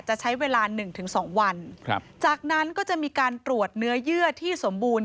จะใช้เวลาหนึ่งถึงสองวันครับจากนั้นก็จะมีการตรวจเนื้อเยื่อที่สมบูรณ